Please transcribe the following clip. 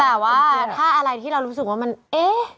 ต่อว่าถ้าอะไรที่เรามันแอ